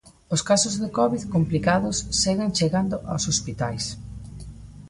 Os casos de covid complicados seguen chegando aos hospitais.